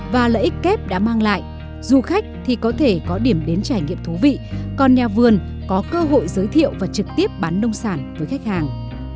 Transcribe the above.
và lợi ích kép đã mang lại du khách thì có thể có điểm đến trải nghiệm thú vị còn nhà vườn có cơ hội giới thiệu và trực tiếp bán nông sản với khách hàng